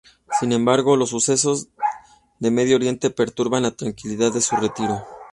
Sin embargo los sucesos de Medio Oriente perturban la tranquilidad de su retiro.